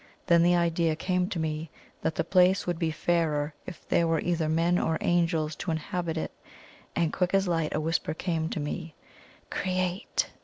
Then the idea came to me that the place would be fairer if there were either men or angels to inhabit it; and quick as light a whisper came to me: "CREATE!"